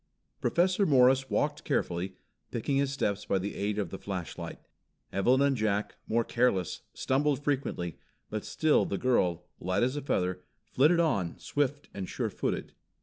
Professor Morris walked carefully, picking his steps by the aid of the flashlight. Evelyn and Jack, more careless, stumbled frequently, but still the girl, light as a feather, flitted on, swift and sure footed.